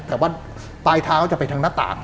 แต่ว่าปลายเท้าจะไปทางหน้าต่าง